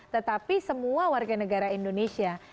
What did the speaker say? tetapi semua warga negara indonesia